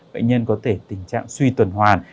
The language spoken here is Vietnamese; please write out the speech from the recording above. bệnh nhân có thể tình trạng suy tuần hoàn